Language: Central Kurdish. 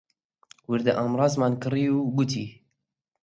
وردە ئامرازمان کڕی و گوتی: